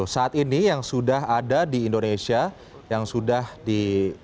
saat ini yang sudah ada di indonesia yang sudah di